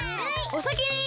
おさきに！